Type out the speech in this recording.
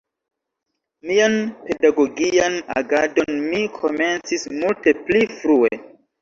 Mian pedagogian agadon mi komencis multe pli frue.